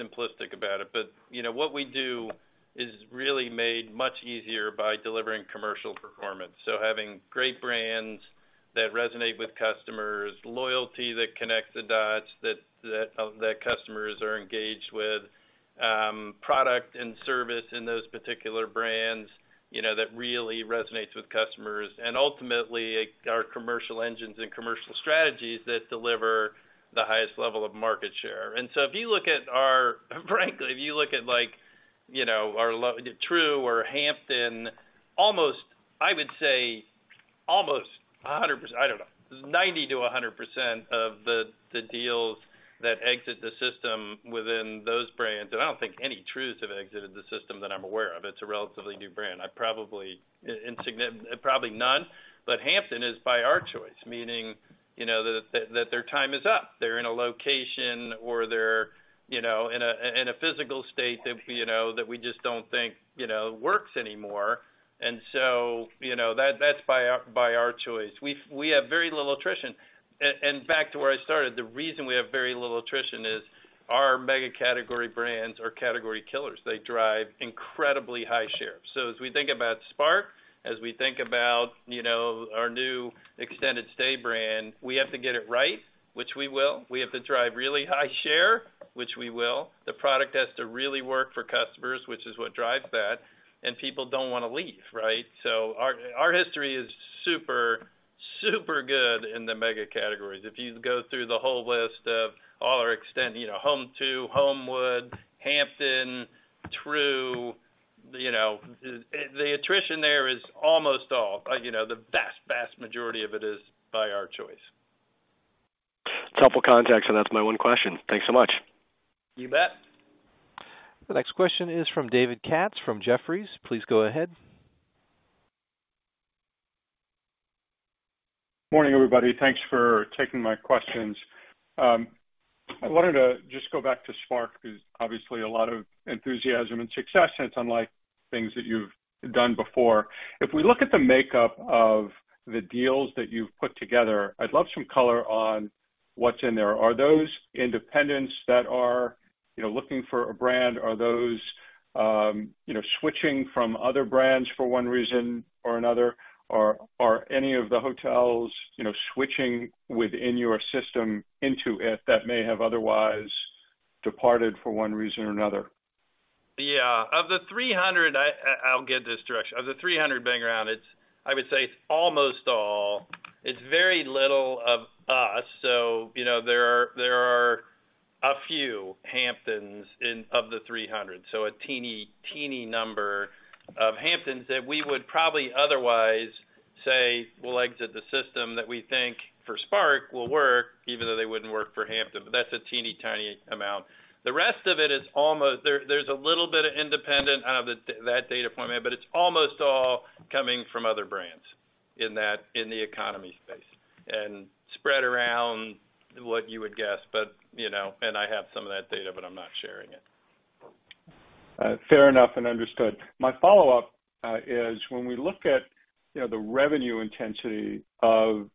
simplistic about it, but, you know, what we do is really made much easier by delivering commercial performance. Having great brands that resonate with customers, loyalty that connects the dots that customers are engaged with, product and service in those particular brands, you know, that really resonates with customers, ultimately our commercial engines and commercial strategies that deliver the highest level of market share. If you look at our... frankly, if you look at like, you know, our Tru or Hampton, almost, I would say almost 100%, I don't know, 90%-100% of the deals that exit the system within those brands, and I don't think any Trus have exited the system that I'm aware of. It's a relatively new brand. I probably probably none. Hampton is by our choice, meaning, you know, that their time is up. They're in a location or they're, you know, in a, in a physical state that, you know, that we just don't think, you know, works anymore. So, you know, that's by our, by our choice. We have very little attrition. Back to where I started, the reason we have very little attrition is our mega category brands are category killers. They drive incredibly high share. As we think about Spark, as we think about, you know, our new extended stay brand, we have to get it right, which we will. We have to drive really high share, which we will. The product has to really work for customers, which is what drives that, and people don't wanna leave, right? Our history is super good in the mega categories. If you go through the whole list of all our extent, you know, Home2, Homewood, Hampton, Tru, you know, the attrition there is almost all. You know, the vast majority of it is by our choice. It's helpful context, and that's my one question. Thanks so much. You bet. The next question is from David Katz from Jefferies. Please go ahead. Morning, everybody. Thanks for taking my questions. I wanted to just go back to Spark because obviously a lot of enthusiasm and success, it's unlike things that you've done before. If we look at the makeup of the deals that you've put together, I'd love some color on what's in there. Are those independents that are, you know, looking for a brand? Are those, you know, switching from other brands for one reason or another? Are any of the hotels, you know, switching within your system into it that may have otherwise departed for one reason or another? Yeah. Of the 300. I'll give this direction. Of the 300 being around it, I would say almost all. It's very little of us, so, you know, there are a few Hamptons of the 300, so a teeny number of Hamptons that we would probably otherwise say will exit the system that we think for Spark will work even though they wouldn't work for Hampton, but that's a teeny-tiny amount. The rest of it is almost. There's a little bit of independent out of that data point, but it's almost all coming from other brands in the economy space and spread around what you would guess. You know, and I have some of that data, but I'm not sharing it. Fair enough and understood. My follow-up is when we look at the revenue intensity of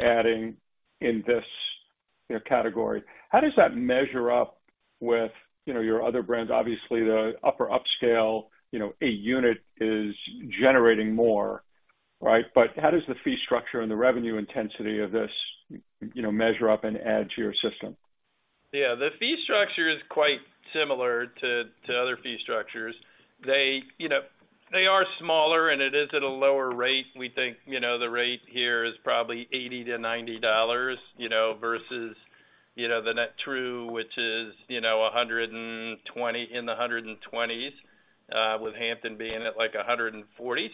adding in this category, how does that measure up with your other brands? Obviously, the upper upscale a unit is generating more, right? How does the fee structure and the revenue intensity of this measure up and add to your system? Yeah. The fee structure is quite similar to other fee structures. They, you know, they are smaller, and it is at a lower rate. We think, you know, the rate here is probably $80-$90, you know, versus, you know, the Net Tru, which is, you know, in the $120s, with Hampton being at, like, $140.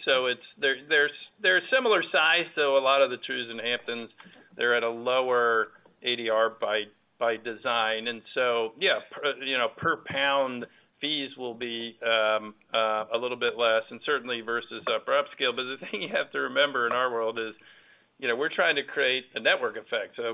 They're similar size, so a lot of the Trus and Hamptons, they're at a lower ADR by design. Yeah, you know, per pound fees will be a little bit less and certainly versus upper upscale. The thing you have to remember in our world is, you know, we're trying to create a network effect. You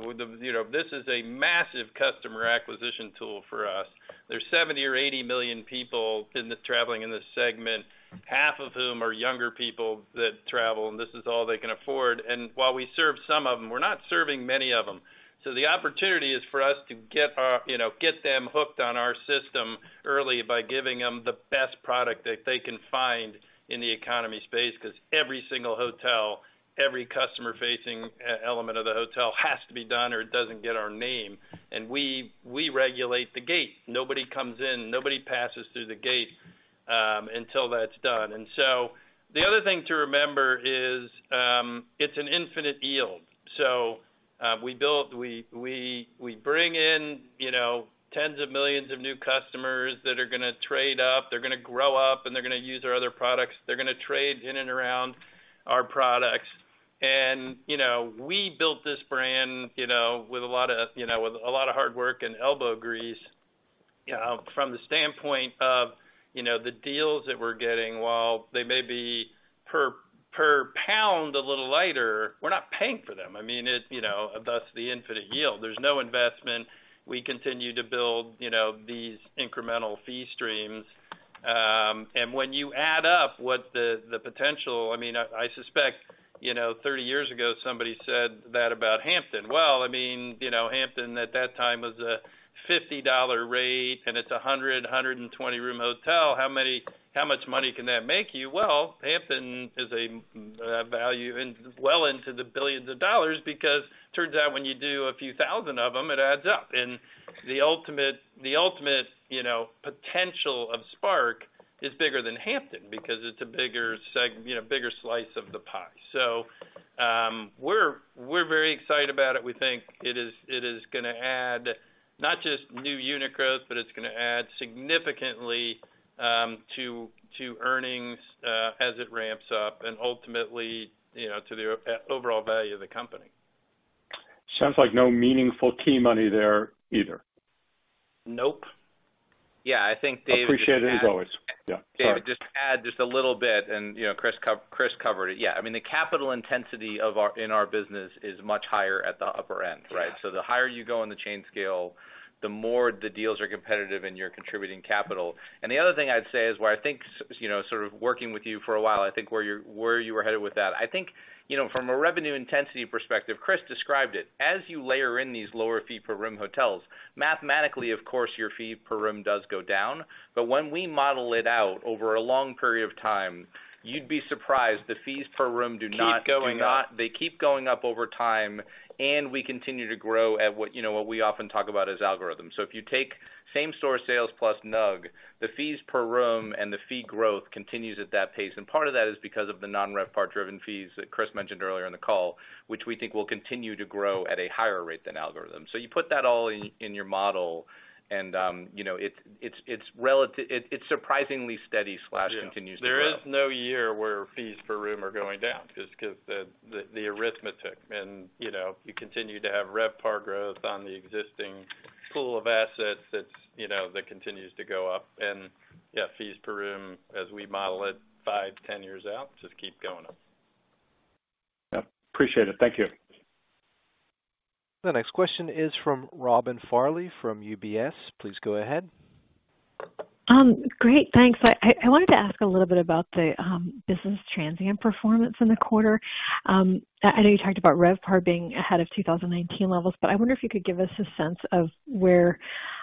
know, this is a massive customer acquisition tool for us. There's 70 or 80 million people traveling in this segment, half of whom are younger people that travel, and this is all they can afford. While we serve some of them, we're not serving many of them. The opportunity is for us to get our, you know, get them hooked on our system early by giving them the best product that they can find in the economy space, because every single hotel, every customer-facing e-element of the hotel has to be done or it doesn't get our name. We regulate the gate. Nobody comes in, nobody passes through the gate until that's done. The other thing to remember is, it's an infinite yield. We bring in, you know, tens of millions of new customers that are gonna trade up, they're gonna grow up, and they're gonna use our other products. They're gonna trade in and around our products. You know, we built this brand, you know, with a lot of, you know, with a lot of hard work and elbow grease, you know, from the standpoint of, you know, the deals that we're getting, while they may be per pound, a little lighter, we're not paying for them. I mean, it's, you know, that's the infinite yield. There's no investment. We continue to build, you know, these incremental fee streams. When you add up what the potential, I mean, I suspect, you know, 30 years ago, somebody said that about Hampton. Well, I mean, you know, Hampton at that time was a $50 rate, and it's a 120-room hotel. How much money can that make you? Well, Hampton is a value in well into the billions of dollars because turns out when you do a few thousand of them, it adds up. The ultimate, you know, potential of Spark is bigger than Hampton because it's a bigger you know, bigger slice of the pie. We're very excited about it. We think it is, it is gonna add not just new unit growth, but it's gonna add significantly, to earnings, as it ramps up and ultimately, you know, to the overall value of the company. Sounds like no meaningful key money there either. Nope. Yeah, I think. Appreciate it as always. Yeah. Sorry. Dave, just to add just a little bit, you know, Chris covered it. Yeah, I mean, the capital intensity in our business is much higher at the upper end, right? The higher you go on the chain scale, the more the deals are competitive and you're contributing capital. The other thing I'd say is where I think you know, sort of working with you for a while, I think where you're, where you were headed with that, I think, you know, from a revenue intensity perspective, Chris described it. As you layer in these lower fee for room hotels, mathematically, of course, your fee per room does go down. When we model it out over a long period of time, you'd be surprised the fees per room do not. Keep going up. They keep going up over time, we continue to grow at what, you know, what we often talk about as algorithm. If you take same store sales plus NUG, the fees per room and the fee growth continues at that pace. Part of that is because of the non-RevPAR driven fees that Chris mentioned earlier in the call, which we think will continue to grow at a higher rate than algorithm. You put that all in your model and, you know, it's surprisingly steady slash continues to grow. There is no year where fees per room are going down just 'cause the, the arithmetic and, you know, you continue to have RevPAR growth on the existing pool of assets that's, you know, that continues to go up. Yeah, fees per room as we model it five, 10 years out, just keep going up. Yeah. Appreciate it. Thank you. The next question is from Robin Farley from UBS. Please go ahead. Great, thanks. I wanted to ask a little bit about the business transient performance in the quarter. I know you talked about RevPAR being ahead of 2019 levels, but I wonder if you could give us a sense of where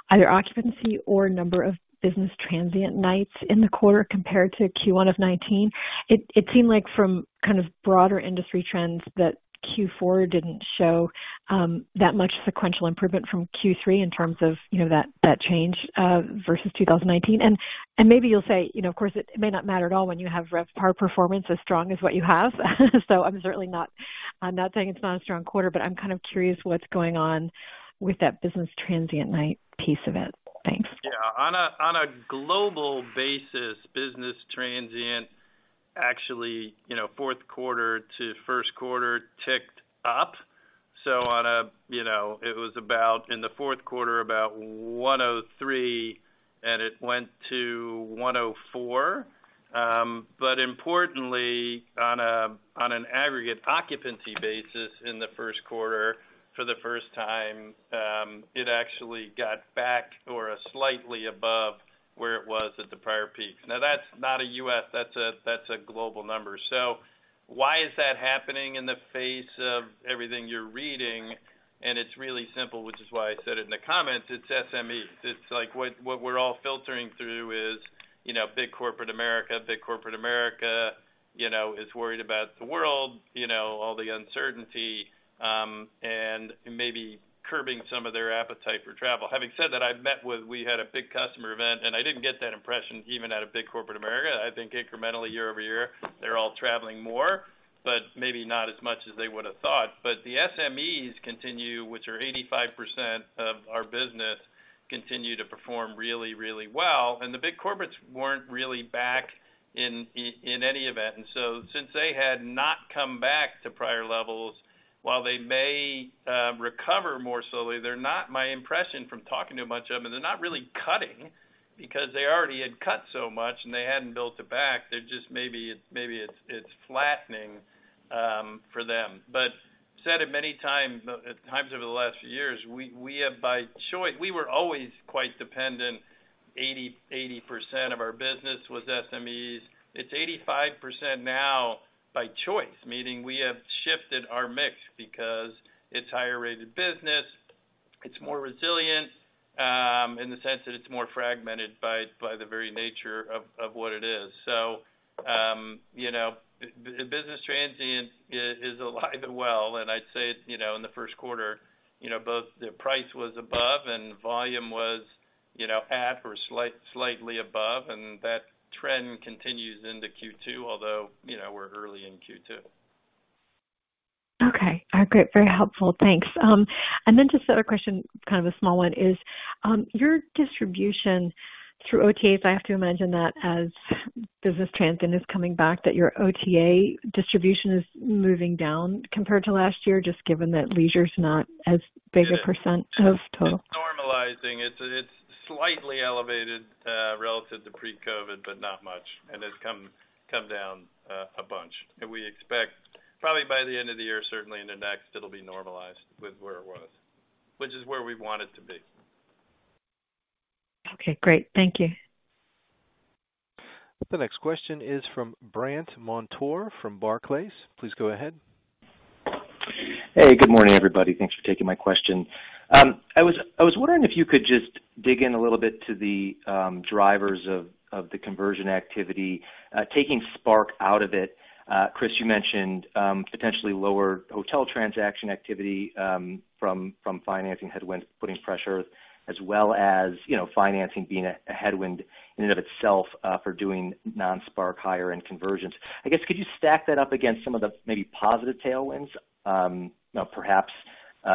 either occupancy or number of business transient nights in the quarter compared to Q1 of 2019. It seemed like from kind of broader industry trends that Q4 didn't show that much sequential improvement from Q3 in terms of, you know, that change versus 2019. Maybe you'll say, you know, of course it may not matter at all when you have RevPAR performance as strong as what you have. I'm certainly not, I'm not saying it's not a strong quarter, but I'm kind of curious what's going on with that business transient night piece of it. Thanks. Yeah. On a global basis, business transient, actually, you know, fourth quarter to first quarter ticked up. On a, you know, it was about in the fourth quarter, about 103, and it went to 104. Importantly, on an aggregate occupancy basis in the first quarter for the first time, it actually got back or slightly above where it was at the prior peak. That's not a U.S., that's a global number. Why is that happening in the face of everything you're reading? It's really simple, which is why I said it in the comments, it's SMEs. It's like, what we're all filtering through is, you know, big corporate America. Big corporate America, you know, is worried about the world, you know, all the uncertainty, and maybe curbing some of their appetite for travel. Having said that, we had a big customer event, and I didn't get that impression even out of big corporate America. I think incrementally year-over-year, they're all traveling more, but maybe not as much as they would've thought. The SMEs continue, which are 85% of our business, continue to perform really, really well. The big corporates weren't really back in any event. Since they had not come back to prior levels, while they may recover more slowly, they're not, my impression from talking to a bunch of them, they're not really cutting because they already had cut so much and they hadn't built it back. They're just, maybe it's flattening for them. Said it many times over the last few years, we have by choice, we were always quite dependent, 80% of our business was SMEs. It's 85% now by choice, meaning we have shifted our mix because it's higher rated business, it's more resilient, in the sense that it's more fragmented by the very nature of what it is. You know, business transient is alive and well, and I'd say it's, you know, in the first quarter, you know, both the price was above and volume was, you know, at or slightly above, and that trend continues into Q2, although, you know, we're early in Q2. Okay. Great. Very helpful. Thanks. Just the other question, kind of a small one, is your distribution through OTAs, I have to imagine that as business transient is coming back, that your OTA distribution is moving down compared to last year, just given that leisure's not as big a % of total? It's normalizing. It's slightly elevated, relative to pre-COVID, but not much. It's come down a bunch. We expect probably by the end of the year, it'll be normalized with where it was, which is where we want it to be. Okay, great. Thank you. The next question is from Brandt Montour from Barclays. Please go ahead. Hey, good morning, everybody. Thanks for taking my question. I was wondering if you could just dig in a little bit to the drivers of the conversion activity, taking Spark out of it? Chris, you mentioned potentially lower hotel transaction activity from financing headwinds putting pressure, as well as, you know, financing being a headwind in and of itself, for doing non-Spark higher end conversions. I guess, could you stack that up against some of the maybe positive tailwinds, you know, perhaps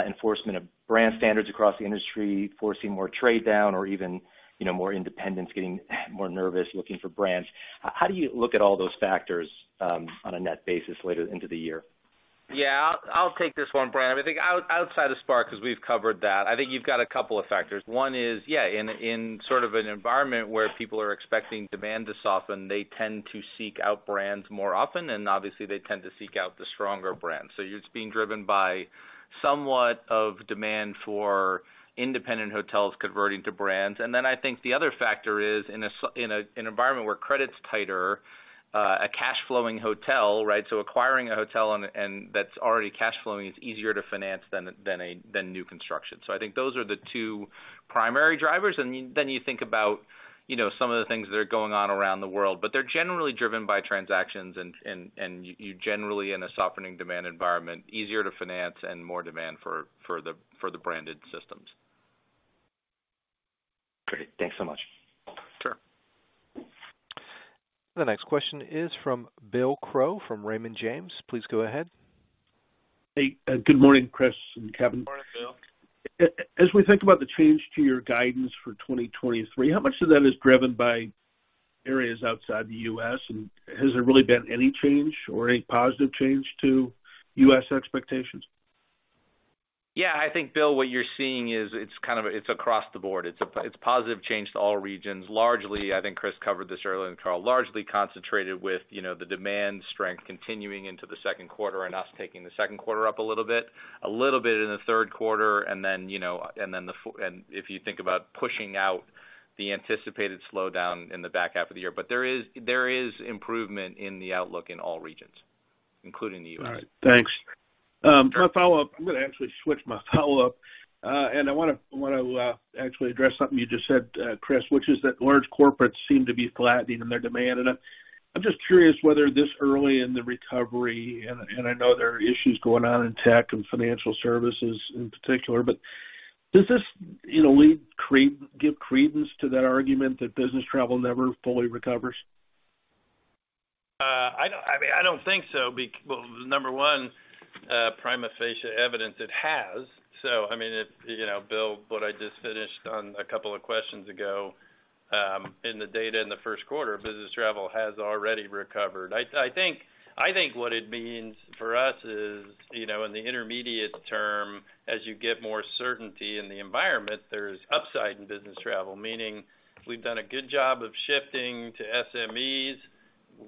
enforcement of brand standards across the industry, forcing more trade down or even, you know, more independents getting more nervous looking for brands? How do you look at all those factors, on a net basis later into the year? Yeah, I'll take this one, Brandt. I think outside of Spark, 'cause we've covered that, I think you've got a couple of factors. One is, yeah, in sort of an environment where people are expecting demand to soften, they tend to seek out brands more often, and obviously, they tend to seek out the stronger brands. It's being driven by somewhat of demand for independent hotels converting to brands. I think the other factor is, in an environment where credit's tighter, a cash flowing hotel, right? Acquiring a hotel and that's already cash flowing is easier to finance than a new construction. I think those are the two primary drivers. You think about, you know, some of the things that are going on around the world, but they're generally driven by transactions and you generally in a softening demand environment, easier to finance and more demand for the branded systems. Great. Thanks so much. Sure. The next question is from Bill Crow from Raymond James. Please go ahead. Hey, good morning, Chris and Kevin. Morning, Bill. As we think about the change to your guidance for 2023, how much of that is driven by areas outside the U.S., and has there really been any change or any positive change to U.S. expectations? Yeah. I think, Bill, what you're seeing is it's kind of it's across the board. It's positive change to all regions. Largely, I think Chris covered this earlier than Carl. Largely concentrated with, you know, the demand strength continuing into the second quarter and us taking the second quarter up a little bit. A little bit in the third quarter, and then, you know, and then if you think about pushing out the anticipated slowdown in the back half of the year. There is improvement in the outlook in all regions, including the U.S. All right. Thanks. My follow-up, I'm gonna actually switch my follow-up. I wanna actually address something you just said, Chris, which is that large corporates seem to be flattening in their demand. I'm just curious whether this early in the recovery, and I know there are issues going on in tech and financial services in particular, but does this, you know, give credence to that argument that business travel never fully recovers? I don't, I mean, I don't think so well, number one, prima facie evidence it has. I mean, it, you know, Bill, what I just finished on two questions ago, in the data in the first quarter, business travel has already recovered. I think what it means for us is, you know, in the intermediate term, as you get more certainty in the environment, there's upside in business travel. Meaning we've done a good job of shifting to SMEs.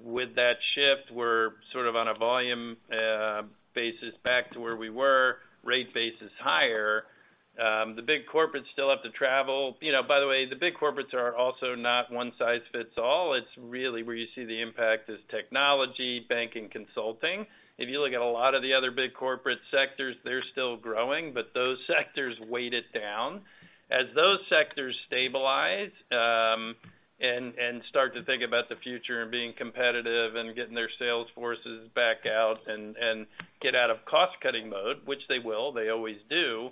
With that shift, we're sort of on a volume basis back to where we were, rate base is higher. The big corporates still have to travel. You know, by the way, the big corporates are also not one size fits all. It's really where you see the impact is technology, banking, consulting. If you look at a lot of the other big corporate sectors, they're still growing, but those sectors weigh it down. As those sectors stabilize, and start to think about the future and being competitive and getting their sales forces back out and get out of cost-cutting mode, which they will, they always do,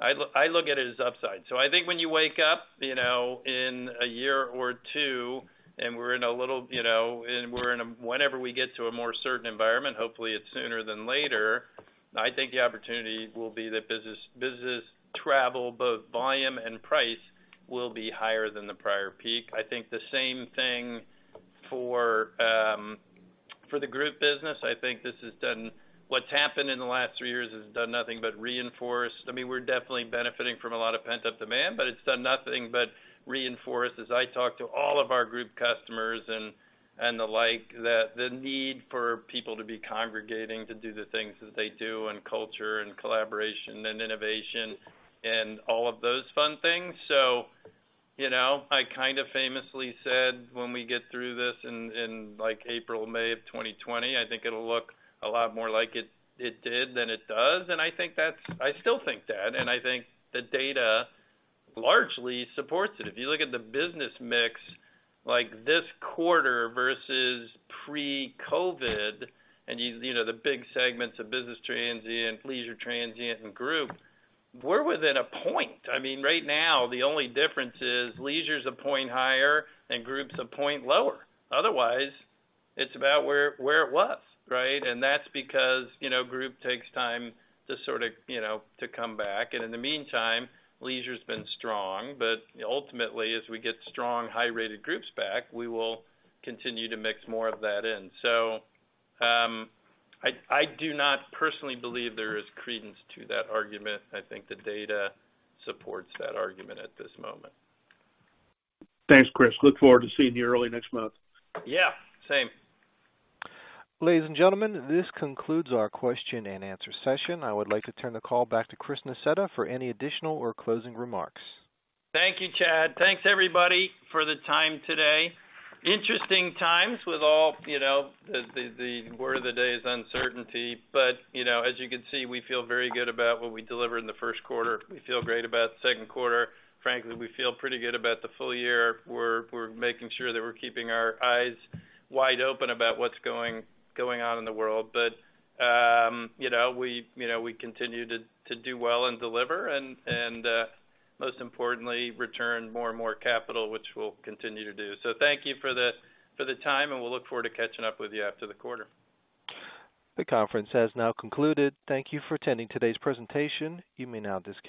I look at it as upside. I think when you wake up, you know, in one or two years and we're in a little, you know, and we're in a whenever we get to a more certain environment, hopefully it's sooner than later, I think the opportunity will be that business travel, both volume and price, will be higher than the prior peak. I think the same thing for the group business. What's happened in the last three years has done nothing but reinforce. I mean, we're definitely benefiting from a lot of pent-up demand, but it's done nothing but reinforce as I talk to all of our group customers and the like, that the need for people to be congregating to do the things that they do and culture and collaboration and innovation and all of those fun things. You know, I kind of famously said, when we get through this in like April, May of 2020, I think it'll look a lot more like it did than it does. I still think that. I think the data largely supports it. If you look at the business mix, like this quarter versus pre-COVID, and you know, the big segments of business transient, leisure transient and group, we're within a point. I mean, right now, the only difference is leisure is a point higher and group's a point lower. Otherwise, it's about where it was, right? That's because, you know, group takes time to sort of, you know, to come back. In the meantime, leisure's been strong. Ultimately, as we get strong, high-rated groups back, we will continue to mix more of that in. I do not personally believe there is credence to that argument. I think the data supports that argument at this moment. Thanks, Chris. Look forward to seeing you early next month. Yeah, same. Ladies and gentlemen, this concludes our question and answer session. I would like to turn the call back to Chris Nassetta for any additional or closing remarks. Thank you, Chad. Thanks, everybody, for the time today. Interesting times with all, you know, the word of the day is uncertainty. You know, as you can see, we feel very good about what we delivered in the first quarter. We feel great about the second quarter. Frankly, we feel pretty good about the full year. We're making sure that we're keeping our eyes wide open about what's going on in the world. You know, we continue to do well and deliver and, most importantly, return more and more capital, which we'll continue to do. Thank you for the time, and we'll look forward to catching up with you after the quarter. The conference has now concluded. Thank Thank you for attending today's presentation. You may now disconnect.